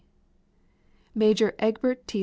Major Egbert T.